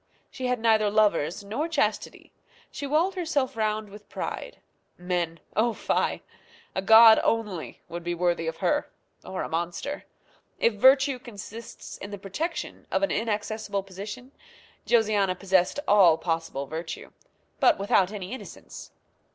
She had neither lovers nor chastity. She walled herself round with pride. Men! oh, fie! a god only would be worthy of her, or a monster. If virtue consists in the protection of an inaccessible position, Josiana possessed all possible virtue, but without any innocence.